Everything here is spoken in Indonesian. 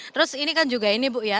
terus ini kan juga ini bu ya